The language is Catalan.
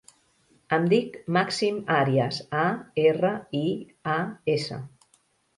Em dic Màxim Arias: a, erra, i, a, essa.